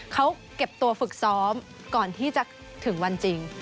เขาเก็บตัวฝึกซ้อมก่อนที่จะถึงวันจริง